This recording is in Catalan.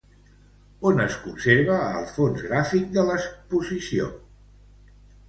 On es conserva el fons gràfic de l'exposició?